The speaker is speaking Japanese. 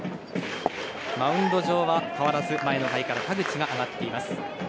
マウンド上は変わらず前の回から田口が上がっています。